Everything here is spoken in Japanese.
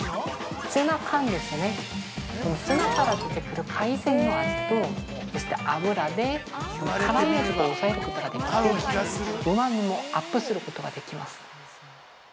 このツナから出てくる海鮮の味とそして、油で辛みを抑えることができてうまみもアップすることができます。